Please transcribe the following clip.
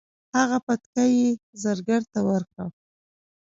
هغه بتکۍ یې زرګر ته ورکړې.